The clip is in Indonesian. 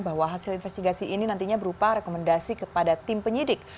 bahwa hasil investigasi ini nantinya berupa rekomendasi kepada tim penyidik